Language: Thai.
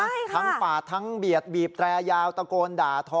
ใช่ค่ะทั้งปาดทั้งเบียดบีบแตรยาวตะโกนด่าทอ